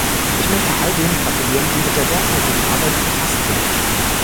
Ich möchte all denen gratulieren, die mit der derzeitigen Arbeit befasst sind.